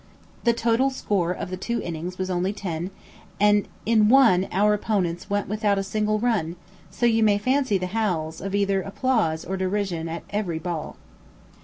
The total score of the two innings was only ten, and in one our opponents went out without a single run; so you may fancy the howls of either applause or derision at every ball.